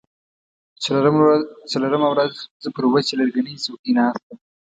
څلورمه ورځ زه پر وچه لرګینۍ څوکۍ ناسته وم.